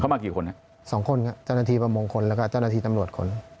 มากี่คนฮะสองคนครับเจ้าหน้าที่ประมงคลแล้วก็เจ้าหน้าที่ตำรวจคน